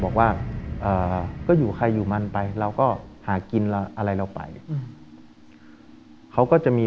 บอกว่าก็อยู่ใครอยู่มันไปเราก็หากินอะไรเราไปเขาก็จะมี